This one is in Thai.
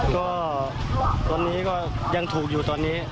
ก็ตอนนี้ก็ยังถูกอยู่ตอนนี้